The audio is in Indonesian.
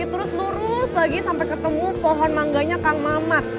terus lurus lagi sampai ketemu pohon mangganya kang mamat